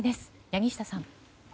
柳下さん。